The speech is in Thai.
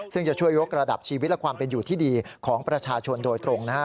ซึ่งจะช่วยยกระดับชีวิตและความเป็นอยู่ที่ดีของประชาชนโดยตรงนะครับ